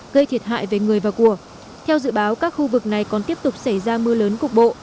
gây thiệt hại về người và của theo dự báo các khu vực này còn tiếp tục xảy ra mưa lớn cục bộ